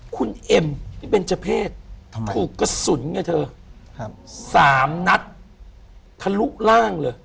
คุณเอ็มที่เป็นเจ้าเพศถูกกระสุนไงเธอสามนัดทะลุร่างเลย